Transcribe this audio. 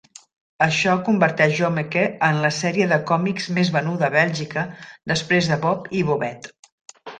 Això converteix Jommeke en la sèrie de còmics més venuda a Bèlgica després de Bob i Bobet.